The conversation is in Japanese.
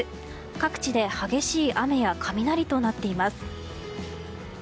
各地で激しい雨や雷となっています。